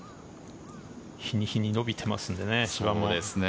日に日に伸びていますのでね、芝も。